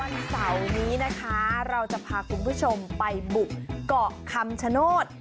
เสาร์นี้นะคะเราจะพาคุณผู้ชมไปบุกเกาะคำชโนธ